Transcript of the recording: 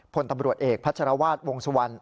พลตำรวจเอกพัชรวาสวงสุวรรณ